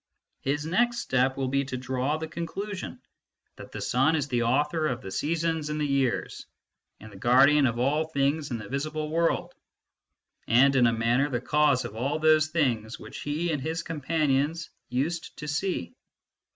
His next step will be to draw the conclusion, that the sun is the author of the seasons and the years, and the guardian of all things in the visible world, and in a manner the cause of all those things which he and his companions used to see.